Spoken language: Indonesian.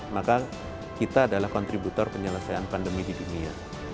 maka kita adalah kontributor penyelesaian pandemi di dunia